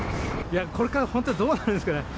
これから本当、どうなるんですかね？